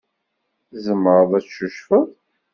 Tzemreḍ ad tcucfeḍ.